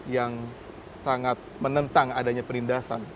yang sangat menentang adanya perindasan